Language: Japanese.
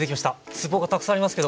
つぼがたくさんありますけど。